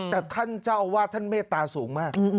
แต่ท่านเจ้าอาวาสท่านเมตตาสูงมาก